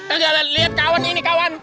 gak ada liat kawan ini kawan